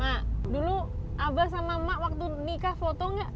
mak dulu abah sama mak waktu nikah foto nggak